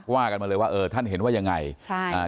ว่ากันมาเลยว่าเออท่านเห็นว่ายังไงใช่อ่า